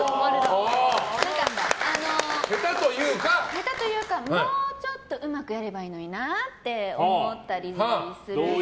下手というか、もうちょっとうまくやればいいのになって思ったりすることは。